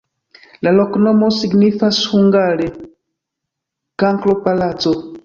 La loknomo signifas hungare: kankro-palaco.